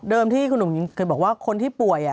ที่คุณหนุ่มหญิงเคยบอกว่าคนที่ป่วย